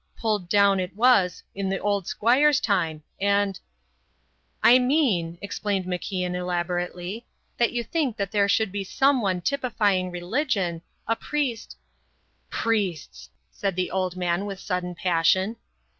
Pulled down it was, in the old squire's time, and " "I mean," explained MacIan elaborately, "that you think that there should be someone typifying religion, a priest " "Priests!" said the old man with sudden passion.